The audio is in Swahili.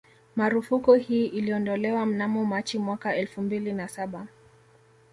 Marufuku hii iliondolewa mnamo Machi mwaka elfu mbili na Saba